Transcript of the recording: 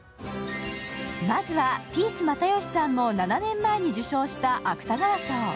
まずはピース又吉さんも７年前に受賞した芥川賞。